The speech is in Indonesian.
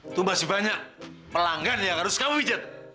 itu masih banyak pelanggan yang harus kamu pijat